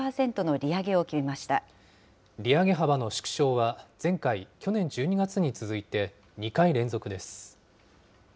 利上げ幅の縮小は前回・去年１２月に続いて２回連続です。